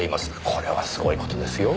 これはすごい事ですよ。